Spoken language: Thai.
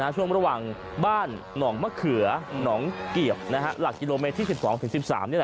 ช่วงระหว่างบ้านหนองมะเขือหนองเกียบหลักกิโลเมตรที่๑๒๑๓